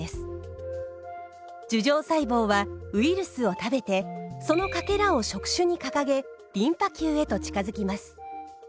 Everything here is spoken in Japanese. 樹状細胞はウイルスを食べてそのかけらを触手に掲げリンパ球へと近づきます。